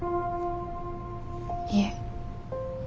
いえ。